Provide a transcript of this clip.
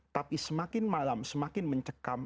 tapi semakin malam semakin mencekam